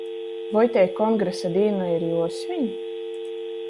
Voi tei kongresa dīna ir juosviņ?